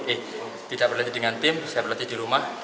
eh tidak berlatih dengan tim saya berlatih di rumah